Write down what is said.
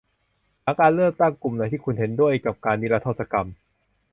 หลังการเลือกตั้ง กลุ่มไหนที่คุณเห็นด้วยกับการนิรโทษกรรม